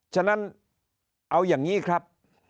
ฉะนั้นเอาอย่างนี้ครับ